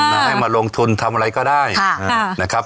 มาให้มาลงทุนทำอะไรก็ได้นะครับ